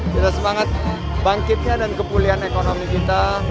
kita semangat bangkitnya dan kepulian ekonomi kita